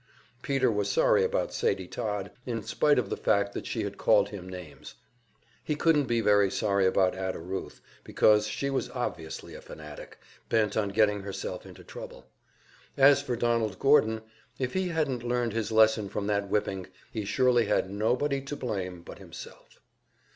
Peter was sorry about Sadie Todd, in spite of the fact that she had called him names. He couldn't be very sorry about Ada Ruth, because she was obviously a fanatic, bent on getting herself into trouble. As for Donald Gordon, if he hadn't learned his lesson from that whipping, he surely had nobody to blame but himself.